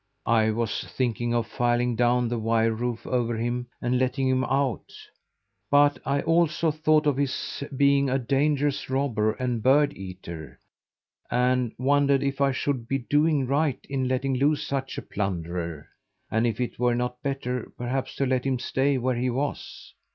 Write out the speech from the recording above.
I was thinking of filing down the wire roof over him and letting him out, but I also thought of his being a dangerous robber and bird eater, and wondered if I should be doing right in letting loose such a plunderer, and if it were not better, perhaps, to let him stay where he was.